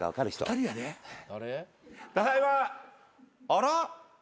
あら？